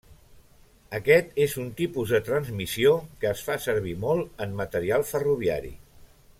Aquest és un tipus de transmissió que es fa servir molt en material ferroviari.